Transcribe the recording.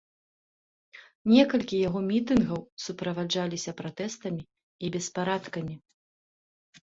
Некалькі яго мітынгаў суправаджаліся пратэстамі і беспарадкамі.